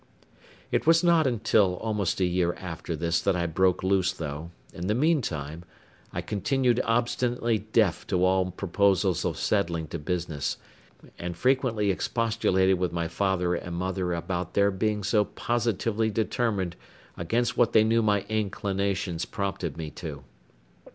It was not till almost a year after this that I broke loose, though, in the meantime, I continued obstinately deaf to all proposals of settling to business, and frequently expostulated with my father and mother about their being so positively determined against what they knew my inclinations prompted me to.